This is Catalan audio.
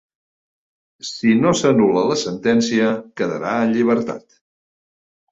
Si no s'anul·la la sentència, quedarà en llibertat.